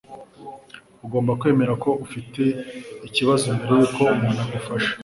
Ugomba kwemera ko ufite ikibazo mbere yuko umuntu agufasha.